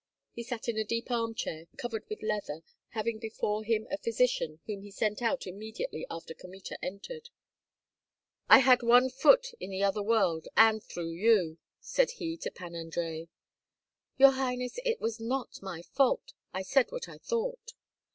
He sat in a deep armchair, covered with leather, having before him a physician whom he sent out immediately after Kmita entered. "I had one foot in the other world and through you," said he to Pan Andrei. "Your highness, it was not my fault; I said what I thought."